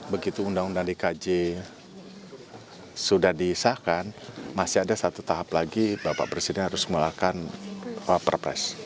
begitu uu dki sudah disahkan masih ada satu tahap lagi bapak presiden harus mengeluarkan perpres